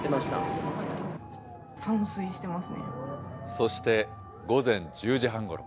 そして午前１０時半ごろ。